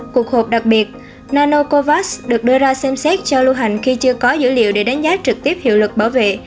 cuộc họp đặc biệt nanocovax được đưa ra xem xét cho lưu hành khi chưa có dữ liệu để đánh giá trực tiếp hiệu lực bảo vệ